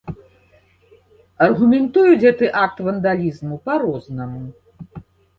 Аргументуюць гэты акт вандалізму па-рознаму.